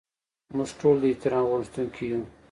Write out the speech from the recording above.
موږ ټول د احترام غوښتونکي یو.